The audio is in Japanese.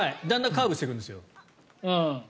だんだんカーブしてくんですよ。